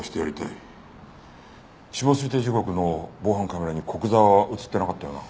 死亡推定時刻の防犯カメラに古久沢は映ってなかったよな？